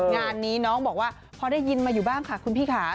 งานนี้น้องบอกว่าพอได้ยินมาอยู่บ้างค่ะคุณพี่ค่ะ